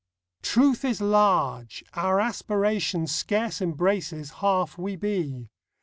Truth is large. Our aspiration Scarce embraces half we be.